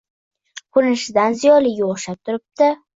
Ko`rinishidan ziyoliga o`xshab turibdi